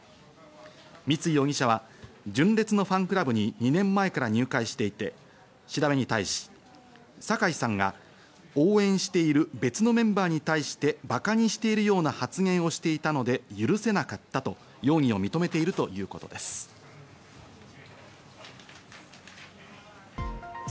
三井容疑者は純烈のファンクラブに２年前から入会していて、調べに対し、酒井さんが応援している別のメンバーに対してバカにしているような発言をしていたので許せなかったと容疑を認めているということです。